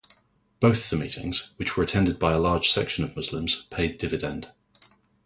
Both the meetings, which were attended by a large section of Muslims paid dividend.